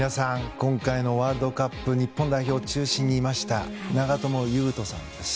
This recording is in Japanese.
今回のワールドカップ日本代表の中心にいました長友佑都さんです。